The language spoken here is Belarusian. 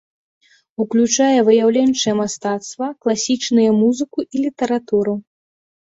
Уключае выяўленчае мастацтва, класічныя музыку і літаратуру.